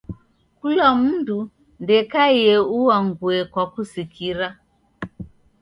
Kula mundu ndekaie uangue kwa kusikira.